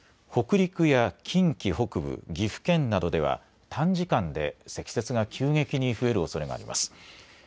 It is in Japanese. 北陸や近畿北部、岐阜県などでは短時間で積雪が急激に増えるおそれがあります。